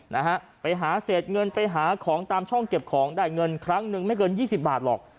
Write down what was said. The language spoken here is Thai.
นะฮะไปหาเศษเงินไปหาของตามช่องเก็บของได้เงินครั้งหนึ่งไม่เกินยี่สิบบาทหรอก